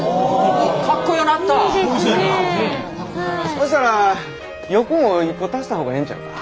そしたら翼も１個足した方がええんちゃうか。